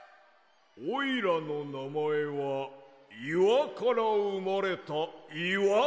おいらのなまえはいわからうまれたいわのすけだ！